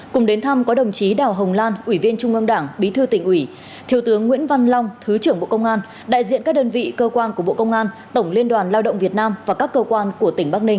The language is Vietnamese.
cùng đến thăm có đồng chí đào hồng lan ủy viên trung ương đảng bí thư tỉnh ủy thiếu tướng nguyễn văn long thứ trưởng bộ công an đại diện các đơn vị cơ quan của bộ công an tổng liên đoàn lao động việt nam và các cơ quan của tỉnh bắc ninh